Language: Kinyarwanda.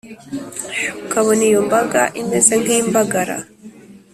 ukabona iyo mbaga imeze nk’imbagara